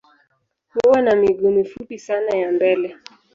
Huwa na miguu mifupi sana ya mbele